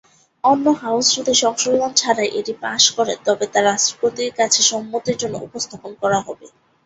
অন্য হাউজ যদি সংশোধন ছাড়াই এটি পাস করে তবে তা রাষ্ট্রপতির কাছে সম্মতির জন্য উপস্থাপন করা হবে।